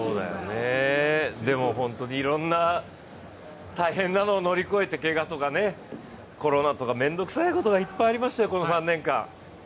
でも本当にいろんな大変なのを乗り越えて、けがとかコロナとかめんどくさいことがいっぱいありましたよ、この３年間。